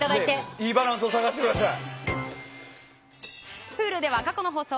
いいバランスを探してください。